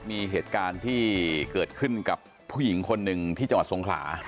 มีเหตุการณ์ที่เกิดขึ้นกับผู้หญิงคนหนึ่งที่จังหวัดสงขลา